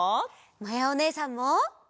まやおねえさんも！